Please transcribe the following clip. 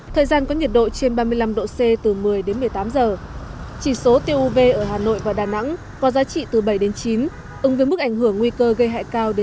thời gian có nhiệt độ trên ba mươi năm độ c từ một mươi một mươi tám giờ